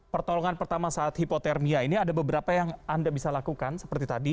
pertolongan pertama saat hipotermia ini ada beberapa yang anda bisa lakukan seperti tadi